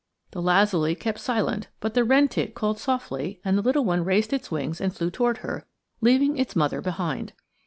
The lazuli kept silent, but the wren tit called softly and the little one raised its wings and flew toward her, leaving its mother behind.